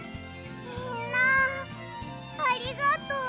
みんなありがとう！